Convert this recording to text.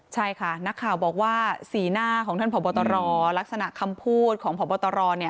ใช่ค่ะนักข่าวบอกว่าสีหน้าของท่านผอบตรลักษณะคำพูดของพบตร